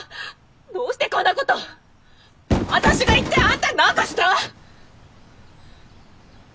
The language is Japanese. どうしてこんなこと私が一体アンタに何かした！？